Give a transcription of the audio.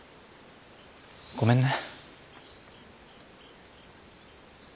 ごめんね。